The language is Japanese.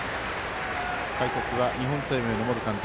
解説は日本生命の元監督